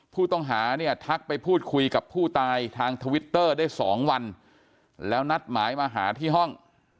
ผู้ต้องหาเนี่ยทักไปพูดคุยกับผู้ตายทางทวิตเตอร์ได้๒วันแล้วนัดหมายมาหาที่ห้อง